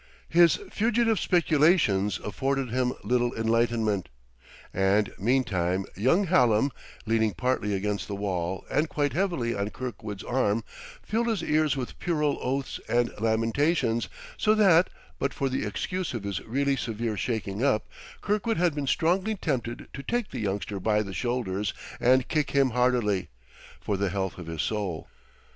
His fugitive speculations afforded him little enlightenment; and, meantime, young Hallam, leaning partly against the wall and quite heavily on Kirkwood's arm, filled his ears with puerile oaths and lamentations; so that, but for the excuse of his really severe shaking up, Kirkwood had been strongly tempted to take the youngster by the shoulders and kick him heartily, for the health of his soul.